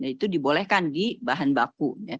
itu dibolehkan di bahan baku